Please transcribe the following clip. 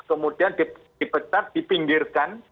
kemudian dipecat dipinggirkan